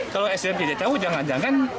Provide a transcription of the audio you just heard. kalau sdm tidak tahu jangan jangan